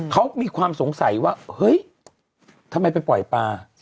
เขามีความสงสัยว่าเฮ้ยทำไมไปปล่อยปลา